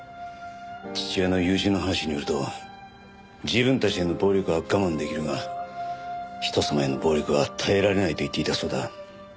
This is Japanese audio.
父親の友人の話によると自分たちへの暴力は我慢できるが人様への暴力は耐えられないと言っていたそうだ。